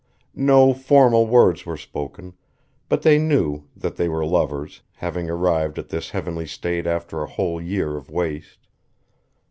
No formal words were spoken, but they knew that they were lovers, having arrived at this heavenly state after a whole year of waste.